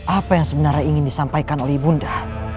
apa yang sebenarnya ingin disampaikan oleh ibunda